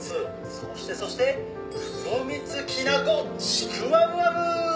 「そしてそして黒蜜きなこちくわぶわぶ！」